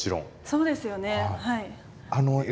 そうですよね。